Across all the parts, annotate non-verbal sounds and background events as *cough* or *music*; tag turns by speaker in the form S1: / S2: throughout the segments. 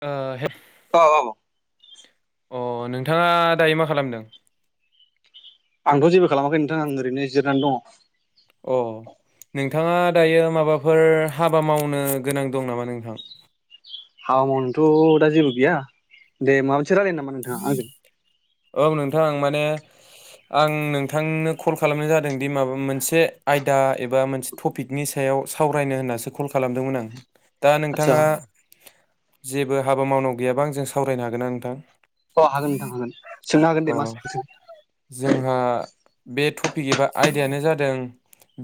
S1: आ।
S2: औ औ।
S1: अ नोंथाङा दायो मा खालामदों।
S2: आंथ' जेबो खालामाखै नोंथां आं ओरैनो जिरनानै दङ।
S1: अ नोंथाङा दायो माबाफोर हाबा मावनो गोनां दं नामा नोंथां।
S2: हाबा मावनोथ' दा जेबो गैया दे माबा। *unintelligible* नामा नोंथाङा आंजों।
S1: औ नोंथां माने आं नोंथांनो कल खालामनाय जादों दि माबा मोनसे आयदा एबा मोनसे टपिकनि सायाव सावरायनो होन्नासो कल खालामदोंमोन आं। दा
S2: आदसा
S1: नोंथाङा जेबो हाबा मावनांगौ गैयाबा आं जों सावरायनो हागोन आं नोंथां।
S2: अ हागोन नोंथां हागोन सोंनो हागोन दे
S1: अ
S2: मा सोंनो सों
S1: जोंहा बे टपिक एबा आयदायानो जादों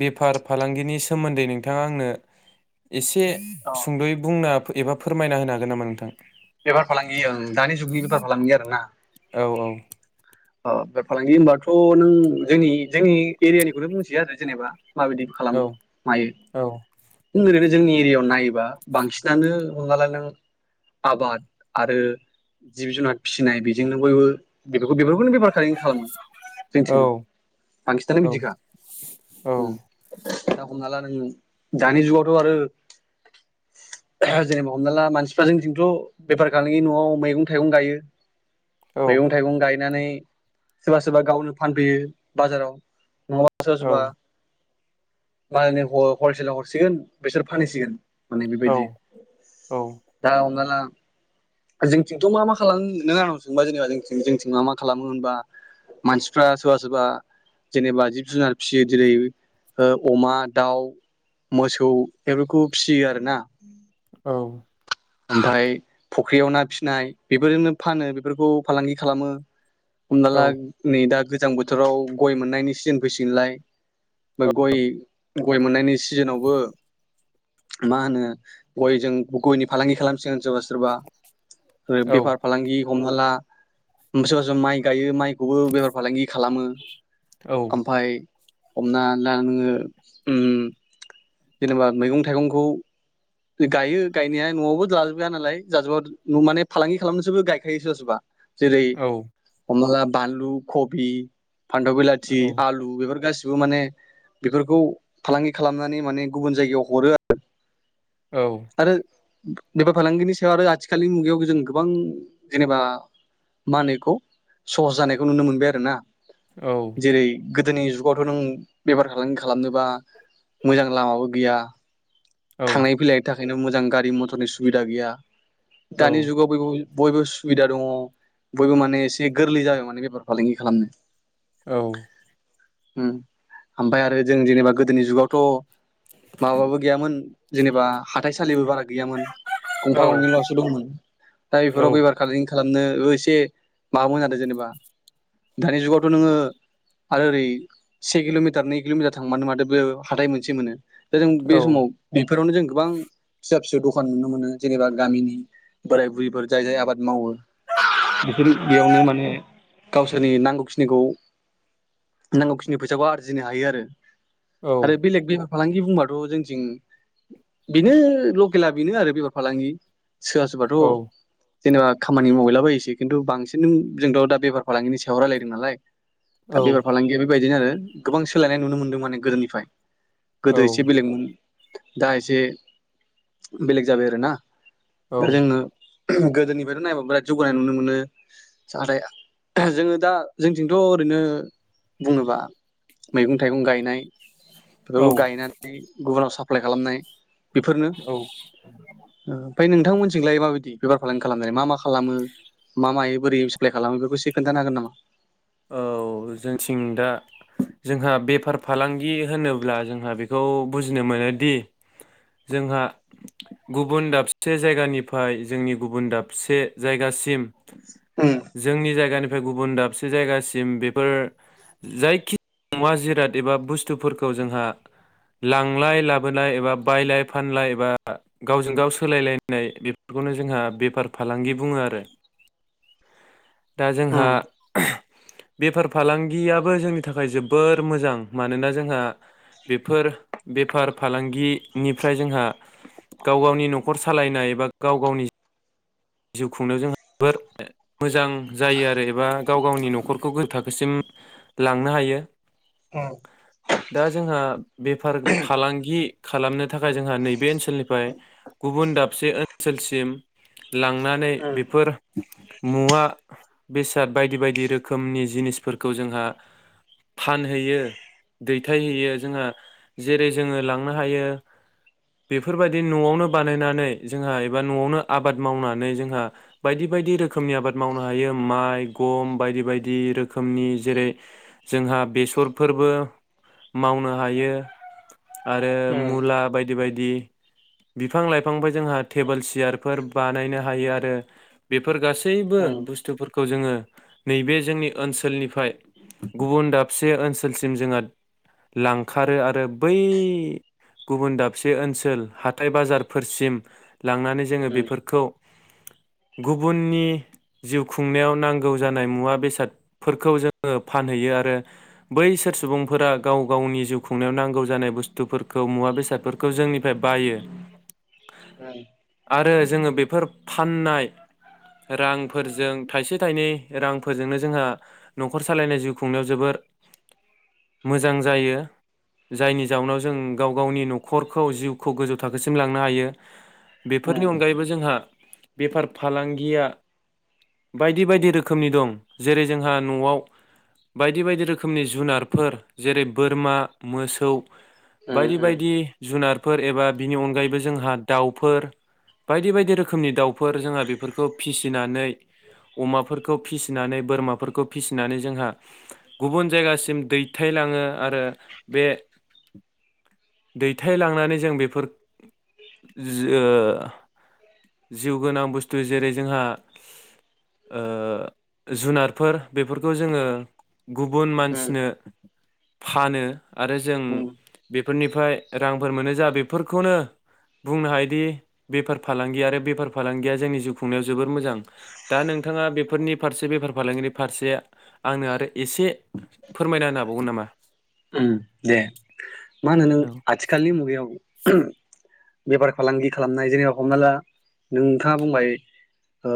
S1: बेफार फालांगिनि सोमोन्दै नोंथाङा आंनो। एसे
S2: अ
S1: सुंद'यै बुंना। एबा फोरमायना होनो हागोन नामा नोंथां।
S2: बेफार फालांगिओं दानि जुगनि बेफार फालांगिया आरो ना।
S1: औ औ औ।
S2: बे फालांगि होनबाथ' नों जोंनि जोंनि एरियानिखौथ' बुंथियो आरो जेनेबा माबायदिबो खालामो मायो ओरैबाय जोंनि एरियायाव नायोबा बांसिनानो हमनाला नों आबाद आरो जिब जुनार फिसिनाय बेजोंनो बयबो बेफोरखौ बेबो गुबुन बेफार खानो खालामो जोंथिंबो बांसिनानो बिदिखा दा हमना ला नों दानि जुगावथ' आरो जेनेबा हमना ला मानसिफोर जों जोंथ' बेफार खालामांगि न'आव मैगं थाइगं गायो मैगं थाइगं गायो बिनानै सोरबा सोरबा गावनो फानफैयो बाजाराव नंङाबा सोरबा सोरबा मालायनि हल हलसेलाव हरसिगोन बेसोर फानहैसिगोन माने बेबायदि दा हमना ला जोंथिंथ' मा मा खालाम नों आंनाव सोंबा जेनेबा जथिं मा मा खालामो होनबा मानसिफ्रा सोरबा सोरबा जेनेबा जिब जुनार फिसियो जेरै ओ अमा दाउ मोसौ बेफोरखौ फिसियो आरोना
S1: औ।
S2: ओमफ्राय फुख्रियाव ना फिसिनाय बेफोरजोंनो फानो बेफोरखौ फालांगि खालामो। हमनख ला नै दा गोजां बोथोराव गय मोननायनि सिजोन फैसिगोनलाय बे गय गय मोननायनि सिजोनावबो मा होनो गयजों गयनि फालांगि खालामसिगोन सोरबा सोरबा ओ बेफार फालांगि हमना ला सोरबा सोरबा माइ गायो माइ खौबो बेफार फालांगि खालामो ओमफाय हमना ला‌ नोङो उम जेनेबा मैगं थाइगंखौ गायो गायनाया न'आवबो जाजोब जाया नालाय जाजोबा माने फालांगि खालामनोसोबो गायखायोसो सोरबा सोरबा जेरै हमना‌ ला बानलु खबि फान्थाव बिलाथि आलु बेफोर गासिब बिबो माने बेफोरखौ फालांगि खालामनानै माने गुबुन जायगायाव हरो आरो
S1: औ
S2: बेबार फालांगिनि सायाव आरो आथिखालनि मुगायाव जों गोबां जेनेबा मा होनोखौ सहस जानायखौ नुनो मोनबाय आरो ना जेरै गोदोनि जुगावथ' नों बेफार फालांगि खालामनोबा मोजां लामाबो गैया थांलाय फैलायनि थाख बेखायनो मोजां गारि मथरनि सुबिदा गैया दानि जुगावबो बे बो बयबो सुबिदा दंङ बयबो माने एसे गोरलै जाबाय माने बेफार फालांगि खालामनो
S1: औ
S2: उम जेनेबा हाथाइसालिबो बारा गैयामोन
S1: औ
S2: गंफा गंनैल'सो दंमोन दा बेफोराव बेफार *unintelligible* खालामनो एसे माबामोन जादों जेनेबा दानि जुगावथ' नोङो आरो ओरै से किल'मिटार नै किल'मिटार थांबानो माथो बेयावनो हाथाय मोनसे मोनो दा जों बे समाव फोरावनो जों गोबां फिसा फिसौ दखान नुनो मोनो जेनेबा गामिनि बोराय बुरिफोर जाय जाय आबाद मावो बेफोर बेयावनो माने गावसोरनि नांगौखिनिखौ नांगौ खिनि फैसाखौ आरजिनो हायो आरो आरो बेलेग बि फालांगि बुंबाथ' जोंथिं बेनो लकेला बेनो आरो बेफार फालांगि सोरबा सोरबाथ' जेनेबा खामानि मावहैला बायोसै खिन्थु बांसिन जोंथ' दा बेफार फालांगिनि सायाव रायलायदों नालाय था बेफार फलांगि बेबायदिनो आरो गोबां सोलायनाय नुनो मोन्दों माने गोदोनिफाय गोदो एसे बेलेगमोन दा एसे बेलेग जाबाय आरोना दा जोङो गोदोनिफ्रायथ' नायबाब बिराद जौगानाय नुनो मोनो जाहाथे जोङो दा जोंथिंथ' ओरैनो बुङोबा मैगं थाइगं गायनाय बेफोरखौ गायनानै गुबुनाव सा प्लाइ खालामनाय। बेफोरनो ओ ओमफाय नोंथांमोनथिलाय माबायदि बेफार फालांगि खालामनाय मा मा खालामो मा मायो बोरै साप्लाय खालामो बेखौ एसे खोन्थानो हागोन नामा?
S1: औ जोंथिं दा जोंहा बेफार फालांगि होनोब्ला जोंहा बेखौ बुजिनो मोनोदि जोंहा गुबुन दाबसे जायगानिफाय जोंनि गुबुन दाबसे जायगासिम
S2: उम
S1: जोंनि जायगानि गुबुन दाबसे से जायगासिम बेफोर जायखिजाया मुवा-जिराद एबा बुस्थुफोरखौ जोंहा लांलाय लाबोनाय एबा बायलाय फानलाय एबा गावजों गाव सोलायलायनाय बेफोरखौनो जोंहा बेफार फालांगि बुङो आरो। दा जोंहा
S2: उम
S1: बेफार फालांगियाबो जोंनि थाखाय जोबोर मोजां मानोना जोंहा बेफोर बेफार फालांगिनिफ्राय जोंहा गाव गावनि न'खर सालायनाय बा गाव गावनि जिउ खुंनायाव जों जोबोर मोजां जायो आरो एबा गाव गावनि न'खरखौ गो थाखोसिम लांनो हायो
S2: उम
S1: दा जोंहा बेफार फालांगि खालामनो थाखाय जोंहा नैबे ओनसोलनिफ्राय गुबुन दाबसे ओनसोलसिम लांनानै
S2: उम
S1: बेफोर मुवा बेसाद बायदि बायदि रोखोमनि जिनिसफोरखौ जोंहा फानहैयो दैथायहैयो जोंहा जेरै जोङो लांनो हायो बेफोरबायदि न'आवनो बानायनानै जोंहा एबा न'आवनो आब आबाद मावनानै जोंहा बायदि बायदि रोखोमनि आबाद मावनो हायो माइ गम बायदि बायदि रोखोमनि जेरै जोंहा बेसरफोरबो मावनो हायो आरो
S2: उम
S1: मुला बायदि बायदि बिफां लाइफांनिफाय जोंहा टेबोल सियार फोर बानायनो हायो आरो बेफोर गासैबो
S2: उम
S1: बुस्थुफोरखौ जोङो नैबे जोंनि ओनसोलनिफाय गुबुन दाबसे ओनसोलसिम जोङो लांखारो आरो बै गुबुन दाबसे ओनसोल हाथाइ-बाजारफोरसिम लांनानै जोङो बेफोरखौ गुबुननि जिउ खुंनायाव नांगौ जानाय मुवा बेसादफोरखौ जोङो फानहैयो आरो बैसोर सुबुंफोरा गाव गावनि जिउ खुंनायाव नांगौ जानाय बुस्थुफोरखौ मुवा बेसादफोरखौ जोंनिफ्राय बायो।
S2: उम
S1: आरो जोङो बेफोर फाननाय रांफोरजों थाइसे थाइनै रांफोरजोंनो जोंहा न'खर सालायनाय जिउ खुंनायाव जोबोर मोजां जायो जायनि जाउनाव जों गाव गावनि न'खरखौ जिउखौ गोजौ थाखोसिम लांनो हायो। बेफोरनि अनगायैबो जोंहा बेफार फालांगिया बायदि बायदि रोखोमनि दं जेरै जोंहा न'आव बायदि बायदि रोखोमनि जुनारफोर जेरै बोरमा, मोसौ बायदि बायदि जुनार फोर एबा बिनि अनगायैबो जोंहा दाउफोर बायदि बायदि रोखोमनि दाउफोर जोंहा बेफोरखौ फिसिनानै अमाफोरखौ फिसिनानै बोरमाफोरखौ फिसिनानै जोंहा गुबुन जायगासिम दैथायलाङो आरो बे दैथायलांनानै जों बेफोर ओ जिउ गोनां बुस्थु जेरै जोंहा ओ जुनारफोर बेफोरखौ जोङो गुबुन
S2: उम
S1: मानसिनो फानो। आरो जों
S2: उम उम
S1: बे फोरनिफ्राय रांफोर मोनो जा बेफोरखौनो बुंनो हायोदि बेफार फालांगि आरो बेफार फालांगिया जोंनि जिउ खुंनायाव जोबोर मोजां दा नोंथाङा बेफोरनि फारसे बेफार फालांगिनि फारसे आंनो आरो एसे फोरमायना होनो हाबावगोन नामा?
S2: दे मा होनो नों आथिखालनि मुगायाव बेफार फालांगि खालामनाय जेनेबा हमना ला नोंथाङा बुंबाय ओ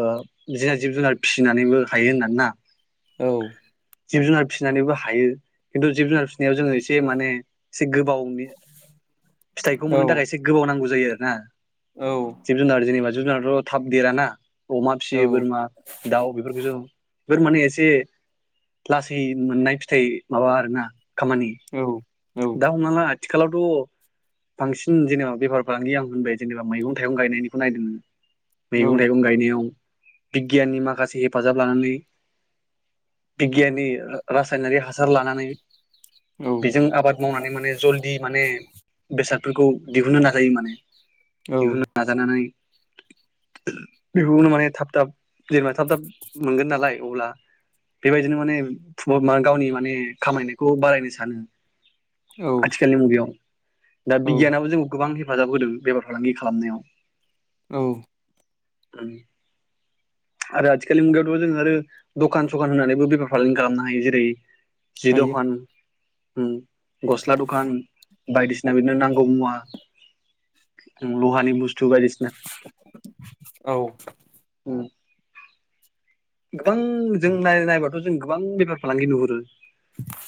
S2: जिना जिब-जुनार फिसिनानैबो हायो होननानै ना?
S1: औ
S2: जिब-जुनार फिसिनानैबो हायो खिन्थु जिब-जुनार बेयाव जोङो एसे माने एसे गोबावनि फिथाइखौ
S1: औ
S2: मोननो थाखाय एसे गोबाव नांगौ जायो आरो ना।
S1: औ
S2: जिब-जुनार जेनेबा जुनाराथ' थाब देरा ना। अमा
S1: औ
S2: फिसियो बोरमा दाउ बेफोरखौ जों बेफोर माने एसे लासै मोननाय फिथाइ माबा आरो ना। खामानि
S1: औ औ
S2: दा हमना ला आथिखालावथ बांसिन जेनेबा बेफार फालांगि आं होनबाय जेनेबा मैगं थाइगं गायनायनिखौ नायदों मैगं थाइगं गायनायाव बिगियाननि माखासे हेफाजाब लानानै बिगियाननि रासायनारि हासार लानानै बेजों आबाद मावनानै माने जलदि माने बेसादफोरखौ दिहुननो नाजायो माने दिहुननो नाजानानै बेनो माने थाब थाब जेनेबा थाब थाब मोनगोन नालाय अब्ला बेबायदिनो माने गावनि माने खामायनाय खौ बारायनो सानो
S1: औ
S2: आथिखालनि मुगायाव दा
S1: औ
S2: बिगियाना जोंखौ गोबां हे हेफाजाब होददों बेफार फालांगि खालामनायाव
S1: औ
S2: आरो आथिखालनि मुगायावथ जोङो आरो दखान सखान होनानैबो बेफार फालांगि खालामनो हायो जेरै
S1: हायो।
S2: उम गस्ला दखान बायदिसिना बिदिनो नांगौ मुवा लहानि बुस्थु
S1: औ
S2: *unintelligible* गोबां जों नाय नायबाथ जों गोबां बेफार फालांगि नुहुरो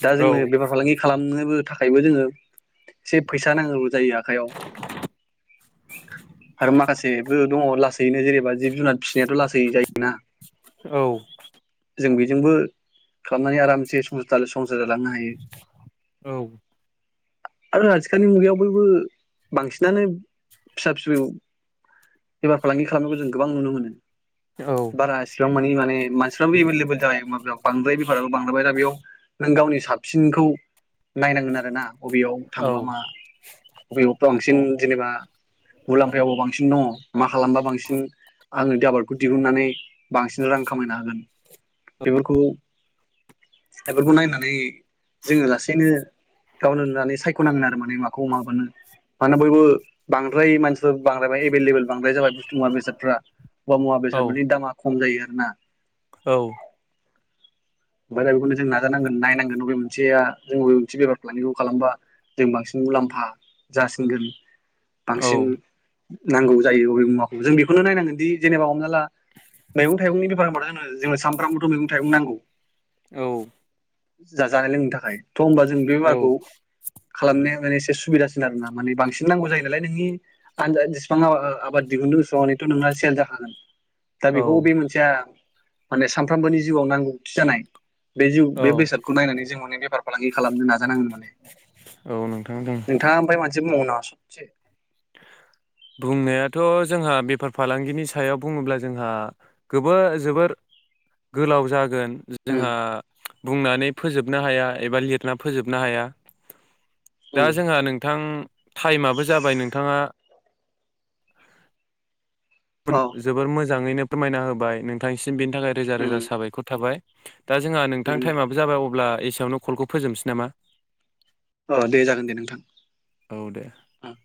S2: दा
S1: औ
S2: जोंनो बेफार फालांगि खालाम *unintelligible* थाखायबो जोङो एसे फैसा नांगौ जायो आखाइयाव आरो माखासेबो दङ लासैनो जेनेबा जिब जुनार फिसिनायाथ लासै जायोना
S1: औ
S2: जों बेजोंबो खालामनानै आरामसे *unintelligible* लांनो हायो
S1: औ
S2: आरो आथिखालनि मुगायाव बयबो बांसिनानो फिसा फिसौ बेफार फालांगि खालामनायखौ जों गोबां नुनो मोनो।
S1: औ
S2: बिबां मानि माने मानसिफ्राबो एभेलेबेल जायो बांद्राय बेफारो बांद्राय दा बेयाव नों गावनि साबसिनखौ नायनांगोन आरो ना। बबेयाव थांबा
S1: औ
S2: मा बबेयावथ' बांसिन जेनेबा मुलाम्फायावबो बांसिन दङ मा खालामबा बांसिन आङो आबादखौ दिहुननानै बांसिन रां खामायना हागोन। बेफोरखौ बेफोरखौ नायनानै जोङो लासैनो गावनो नुनानै सायख'नांगोन आरो माने माखौ माबा बानो मानोना बयबो बांद्राय मानसिफ्रा बांद्राय एभलेबल बांद्राय जाबाय बुस्तु मुवा बेसादफ्रा *unintelligible* मुवा बेसार दामा खम जायो आरो ना?
S1: औ।
S2: ओमफ्राय दा बेखौनो जों नाजानांगोन नायनांगोन बबे मोनसेया जों बबे मोनसे बेफार फालांगिखौ खालामबा जों बांसिन मुलाम्फा जासिनगोन बांसिन नांगौ जायो अबे मुवाखौ जों बेखौनो नायनांगोन दि जेनेबा हमना ला मैगं थाइगंनि बेफारा होनबाथाय जोंनो सामफ्रामबोथ' मैगं थाइगं नांगौ।
S1: औ।
S2: जा-जानाय लोंनों थाखाय। थ' होनबा जों बे मालखौ
S1: औ
S2: खालामनाया माने एसे सुबिदासिन आरो ना माने बांसिन नांगौ जायो नालाय नोंनि आनजाद जेसेबां आबाद दिहुनदों एसेबांनिथ' नोंना सेल जाखागोन। दा बेखौ बे मोनसेया माने सानफ्रोमबोनि जिउआव नांगौथि जानाय बे जिउ
S1: औ
S2: बे बेसादखौ नायनानै जों माने बेफार फालांगि खालामनो नाजानांगोन माने।
S1: औ नोंथां दं
S2: नोंथाङा ओमफ्राय मोनसे बुंबावगोन नामा? *unintelligible*
S1: बुंनायाथ' जोंहा बेफार फालांगिनि सायाव बुङोब्ला जोंहा गोबो जोबोर गोलाव जा गोन
S2: उम
S1: जोंहा बुंनानै फोजोबनो हाया एबा लिरना फोजोबनो हाया। दा
S2: उम
S1: जोंहा नोंथां टाइमाबो जाबाय नोंथाङा बुन
S2: औ
S1: जोबोर मो मोजाङैनो फोरमायना होबाय नोंथांसि म बेनि थाखाय रोजा
S2: उम
S1: रोजा साबायखर थाबाय। दा जोंहा नोंथां
S2: उम
S1: टाइम आबो जाबाय अब्ला एसेयावनो कलखौ फोजोबनोसै नामा?
S2: अ दे जागोन दे नोंथां
S1: औ दे
S2: उम।